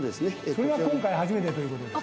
それが今回初めてということで。